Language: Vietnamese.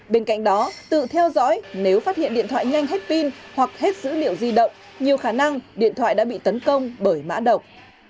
bên cạnh đó tự theo dõi nếu phát hiện điện thoại nhanh hết pin hoặc hết dữ liệu di động nhiều khả năng điện thoại đã bị tấn công bởi mã độc